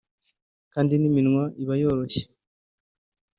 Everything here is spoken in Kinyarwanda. kandi n’iminwa iba yoroshye